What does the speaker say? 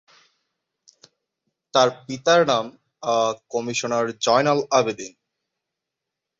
তার পিতার নাম কমিশনার জয়নাল আবেদীন।